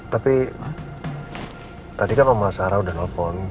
tapi tadi kan mama sarah udah nelfon